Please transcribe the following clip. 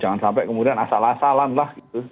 jangan sampai kemudian asal asalan lah gitu